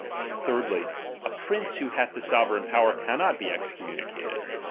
Thirdly, a prince who hath the sovereign power, cannot he excommunicated.